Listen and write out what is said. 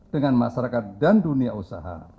dengan masyarakat dan dunia usaha